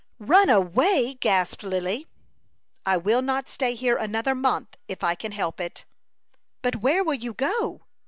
"Run away!" gasped Lily. "I will not stay here another month if I can help it." "But where will you go?"